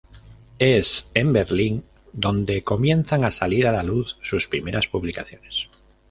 Es en Berlín donde comienzan a salir a la luz sus primeras publicaciones.